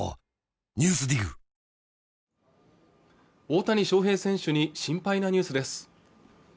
大谷翔平選手に心配なニュースです